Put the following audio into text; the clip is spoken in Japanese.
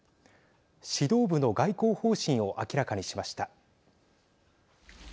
指導部の外交方針を明らかにしました。